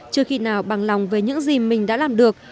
chưa khi nào bằng lòng về những gì mình đã làm được